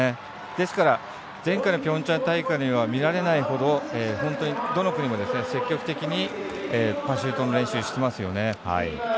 ですから前回のピョンチャンではみられないほど本当にどの国も積極的にパシュートの練習してますよね。